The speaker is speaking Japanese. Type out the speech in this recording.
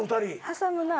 挟むなぁ。